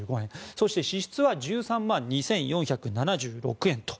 そして支出は１３万２４７６円。